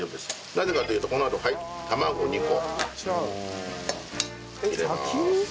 なぜかというとこのあとはい卵２個入れます。